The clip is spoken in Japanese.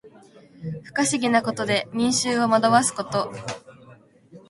不可思議なことで民衆を惑わすこと。